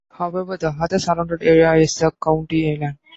However, the other surrounded area is a county island.